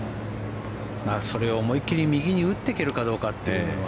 それを思いっ切り右に打っていけるかどうかというのは。